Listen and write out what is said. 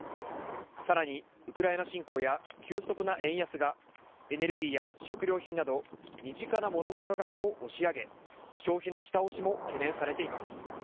さらにウクライナ侵攻や急速な円安がエネルギーや食料品など身近なモノの価格を押し上げ消費の下押しも懸念されています。